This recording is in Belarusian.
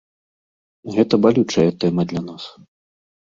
Гэта балючая тэма для нас.